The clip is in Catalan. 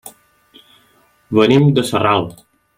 Venim de Sarral.